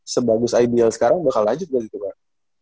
sebagus ibl sekarang bakal lanjut gak gitu pak